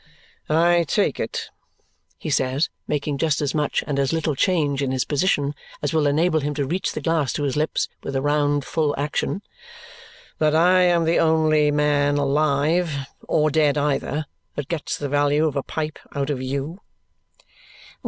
"I take it," he says, making just as much and as little change in his position as will enable him to reach the glass to his lips with a round, full action, "that I am the only man alive (or dead either) that gets the value of a pipe out of YOU?"